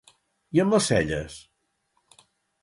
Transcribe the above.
I amb les celles?